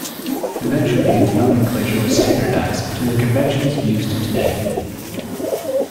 Eventually the nomenclature was standardized to the conventions used today.